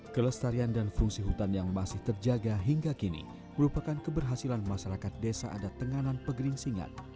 kelestarian dan fungsi hutan yang masih terjaga hingga kini merupakan keberhasilan masyarakat desa adat tenganan pegeringsingan